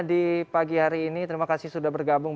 di pagi hari ini terima kasih sudah bergabung